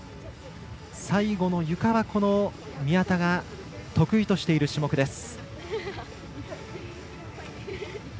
最後のゆかは宮田が得意としている種目です。